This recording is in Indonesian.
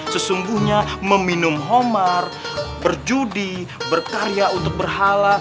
sesungguhnya meminum homar berjudi berkarya untuk berhalang